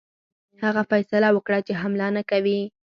هغه فیصله وکړه چې حمله نه کوي.